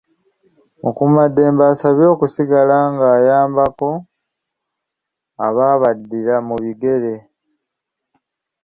Mukuumaddamula abasabye okusigala nga bayambako abaabaddira mu bigere.